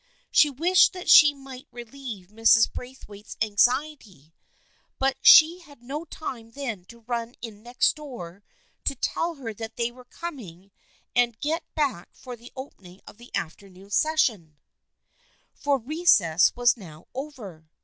She wished that she might relieve Mrs. Braithwaite's anxiety, but she had no time then to run in next door to tell her that they were coming and get back for the opening of the afternoon session, for recess was now over.